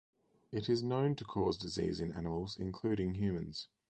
It is known to cause disease in animals including humans.